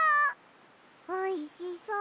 おいしそう。